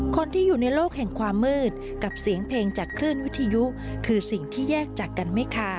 เจาะประเด็นจากรายงานของคุณบงกฎช่วยนิ่มครับ